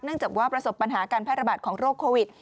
จากว่าประสบปัญหาการแพร่ระบาดของโรคโควิด